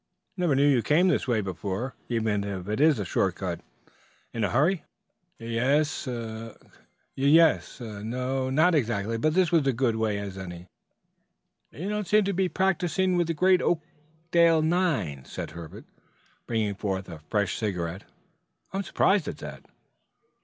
Never knew you to come this way before, even if it is a short cut. In a hurry?" "Ye yes no, not exactly; but this was as good a way as any." "You don't seem to be practicing with the great Oakdale nine," said Herbert, bringing forth a fresh cigarette. "I'm surprised at that."